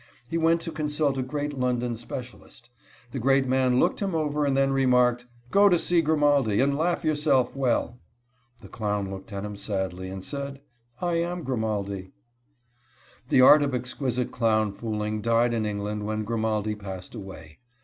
He went to consult a great London specialist. The great man looked him over, and then remarked: "Go to see Grimaldi, and laugh yourself well." The clown looked at him sadly, and replied: "I am Grimaldi." The art of exquisite clown fooling died in England when Grimaldi passed away.